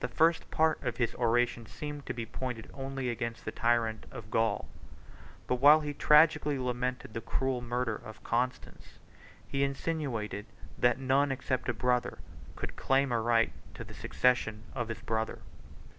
The first part of his oration seemed to be pointed only against the tyrant of Gaul; but while he tragically lamented the cruel murder of Constans, he insinuated, that none, except a brother, could claim a right to the succession of his brother.